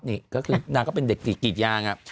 นี่ก็คือนางก็เป็นเด็กกรีดยาง